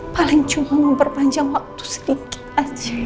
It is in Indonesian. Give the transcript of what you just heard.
paling cuma mau berpanjang waktu sedikit aja